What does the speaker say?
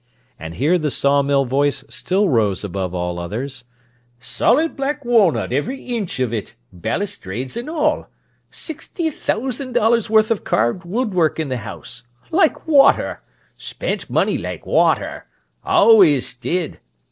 And here the sawmill voice still rose over all others: "Solid black walnut every inch of it, balustrades and all. Sixty thousand dollars' worth o' carved woodwork in the house! Like water! Spent money like water! Always did!